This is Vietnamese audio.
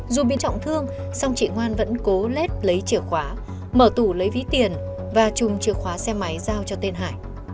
dù bị trọng thương song chị ngoan vẫn cố lết lấy chìa khóa mở tủ lấy ví tiền và chùm chìa khóa xe máy giao cho tên hải